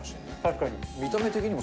確かに。